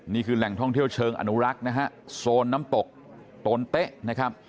นี่คือแหล่งท่องเที่ยวเชิงอนุรักษ์นะฮะโซนน้ำตกโตนเต๊ะนะครับ